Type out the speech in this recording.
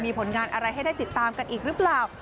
มีผลงานอะไรให้ได้ติดตามกันอีกหรือเปล่า